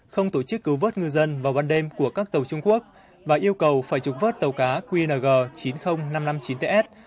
không tổ chức cứu vớt ngư dân vào ban đêm của các tàu trung quốc và yêu cầu phải trục vớt tàu cá qng chín mươi nghìn năm trăm năm mươi chín ts